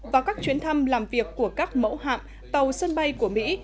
và các chuyến thăm làm việc của các mẫu hạm tàu sân bay của mỹ